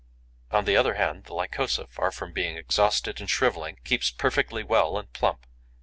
On the other hand, the Lycosa, far from being exhausted and shrivelling, keeps perfectly well and plump.